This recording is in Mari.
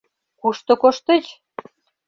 Кушто коштыч?